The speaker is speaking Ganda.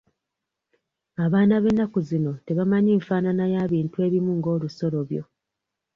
Abaana b'ennaku zino tebamanyi nfaanana ya bintu ebimu nga olusolobyo.